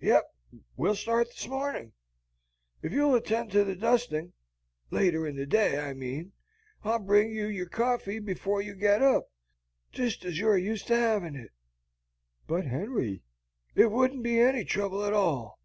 "Yes. We'll start this morning. If you'll attend to the dusting later in the day, I mean I'll bring you your coffee before you get up, just as you're used to having it." "But, Henry " "It won't be any trouble at all.